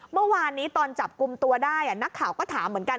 เมื่อวานนี้ตอนจับกลุ่มตัวได้นักข่าวก็ถามเหมือนกัน